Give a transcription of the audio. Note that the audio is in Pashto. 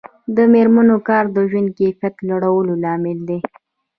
د میرمنو کار د ژوند کیفیت لوړولو لامل دی.